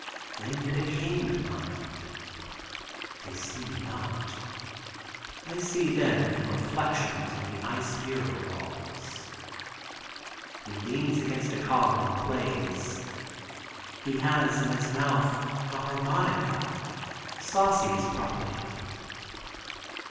When did a king mind? They see me not. I see them from reflections on the ice mirror walls. He leans against a column and plays. (He has in his mouth a harmonica, Saucy's property.)